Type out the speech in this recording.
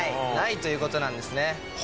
ないという事なんですね。